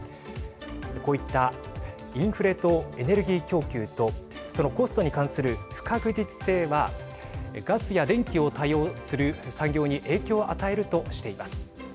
こういったインフレとエネルギー供給とそのコストに関する不確実性はガスや電気を多用する産業に影響を与えるとしています。